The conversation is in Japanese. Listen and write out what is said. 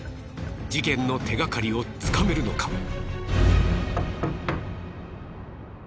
事件の手がかりをつかめるのか？